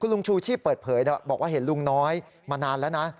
ลุงชูชีพเปิดเผยบอกว่าเห็นลุงน้อยมานานแล้วนะ